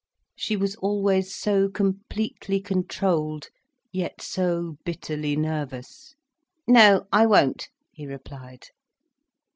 She was always so completely controlled, yet so bitterly nervous. "No, I won't," he replied.